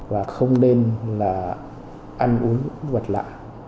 và không nên là ăn uống những vật lạ